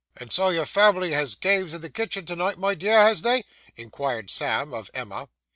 'And so your family has games in the kitchen to night, my dear, has they?' inquired Sam of Emma.